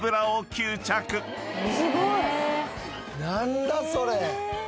何だ⁉それ！